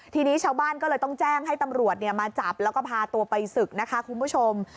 ทีนี้ชาวบ้านก็เลยต้องแจ้งให้ตำรวจมาจับแล้วก็พาตัวไปศึกนะคะคุณผู้ชม